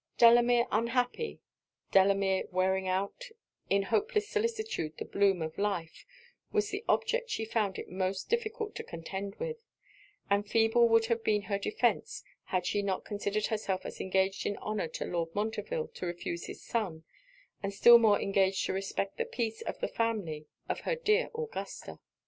Delamere unhappy Delamere wearing out in hopeless solicitude the bloom of life, was the object she found it most difficult to contend with: and feeble would have been her defence, had she not considered herself as engaged in honour to Lord Montreville to refuse his son, and still more engaged to respect the peace of the family of her dear Augusta.